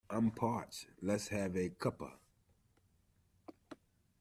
I'm parched. Let's have a cuppa